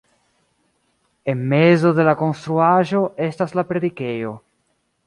En mezo de la konstruaĵo estas la predikejo.